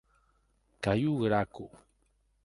Cayo Graco.